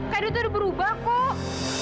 kak edo itu udah berubah kok